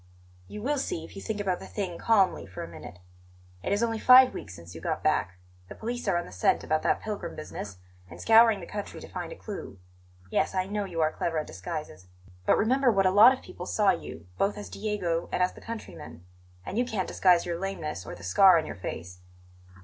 "You will see if you think about the thing calmly for a minute. It is only five weeks since you got back; the police are on the scent about that pilgrim business, and scouring the country to find a clue. Yes, I know you are clever at disguises; but remember what a lot of people saw you, both as Diego and as the countryman; and you can't disguise your lameness or the scar on your face."